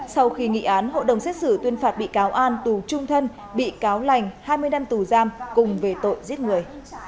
sau khi nghị án hội đồng xét xử tuyên phạt bị cáo an tù trung thân bị cáo lành hai mươi năm tù giam cùng về tội giết người